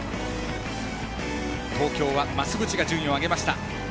東京は増渕が順位を上げました。